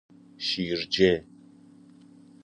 شیرجه